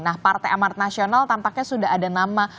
nah partai amat nasional tampaknya sudah ada nama